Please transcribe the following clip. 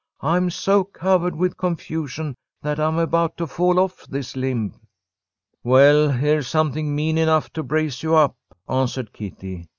I'm so covered with confusion that I'm about to fall off this limb." "Well, here's something mean enough to brace you up," answered Kitty.